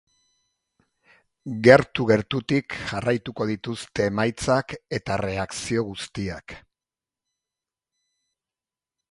Gertu-gertutik jarraituko dituzte emaitzak eta erreakzio guztiak.